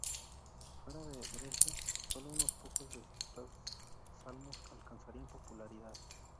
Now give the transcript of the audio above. Fuera de Dresde solo unos pocos de estos salmos alcanzarían popularidad.